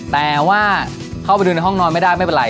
แต่ว่าเข้าไปดูในห้องนอนไม่ได้ไม่เป็นไร